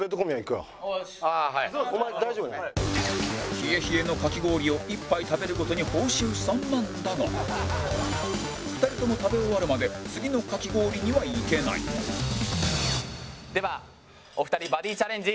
冷え冷えのかき氷を１杯食べるごとに報酬３万だが２人とも食べ終わるまで次のかき氷にはいけないではお二人バディチャレンジ